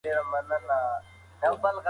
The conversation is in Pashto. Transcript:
خیر محمد په خپل زوړ جاکټ کې د غریبۍ عطر لرل.